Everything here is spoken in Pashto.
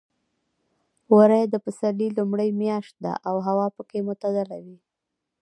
وری د پسرلي لومړۍ میاشت ده او هوا پکې معتدله وي.